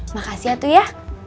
makasih atu ya